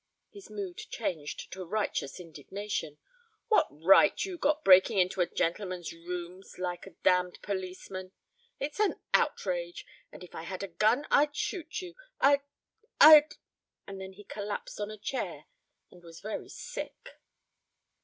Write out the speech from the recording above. His mood changed to righteous indignation. "What right you got breaking into a gentleman's rooms like a damned policeman? It's an outrage and if I had a gun I'd shoot you. I'd I'd " And then he collapsed on a chair and was very sick.